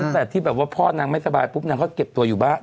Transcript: แต่ที่แบบว่าพ่อนางไม่สบายปุ๊บนางก็เก็บตัวอยู่บ้าน